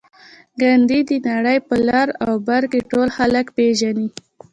ګاندي د نړۍ په لر او بر کې ټول خلک پېژني